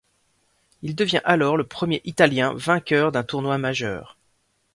Il devient alors le premier italien vainqueur d'un tournoi majeur.